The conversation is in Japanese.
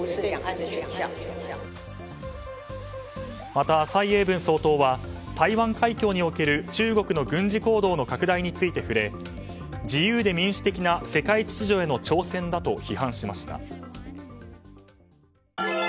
また、蔡英文総統は台湾海峡における中国の軍事行動の拡大について触れ自由で民主的な世界秩序への挑戦だと批判しました。